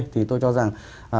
trong bối cảnh của tpp